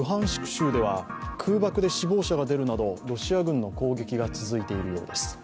州では空爆で死亡者が出るなど、ロシア軍の攻撃が続いているようです。